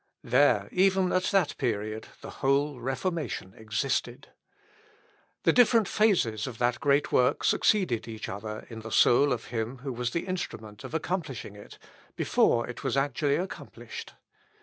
There, even at that period, the whole Reformation existed. The different phases of that great work succeeded each other in the soul of him who was the instrument of accomplishing it, before it was actually accomplished.